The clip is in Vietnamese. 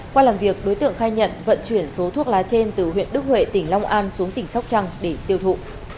qua làm việc đối tượng khai nhận vận chuyển số thuốc lá trên từ huyện đức huệ tỉnh long an xuống tỉnh sóc trăng để tiêu thụ